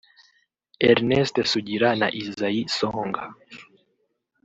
Ernest Sugira na Isaie Songa